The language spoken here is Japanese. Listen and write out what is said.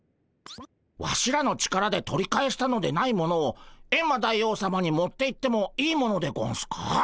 ワシらの力で取り返したのでないものをエンマ大王さまに持っていってもいいものでゴンスか？